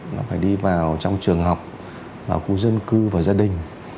nó phải đi vào trong trường học khu dân cư và gia đình